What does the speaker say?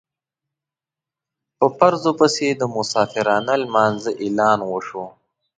په فرضو پسې د مسافرانه لمانځه اعلان وشو.